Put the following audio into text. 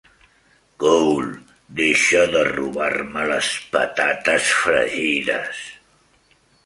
Cole, deixa de robar-me les patates fregides!